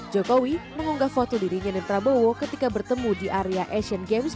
jokowi mengunggah foto dirinya dan prabowo ketika bertemu di area asian games